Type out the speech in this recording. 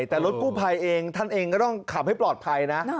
แต่รถกู้ภัยเองท่านเองก็ต้องขับให้ปลอดภัยนะ